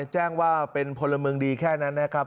แจ้งว่าเป็นพลเมืองดีแค่นั้นนะครับ